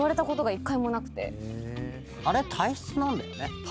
あれ体質なんだよね。